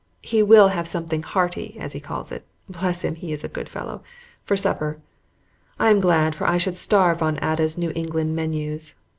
He will have something hearty, as he calls it (bless him! he is a good fellow), for supper. I am glad, for I should starve on Ada's New England menus.